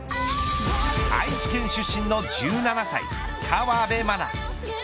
愛知県出身の１７歳河辺愛菜。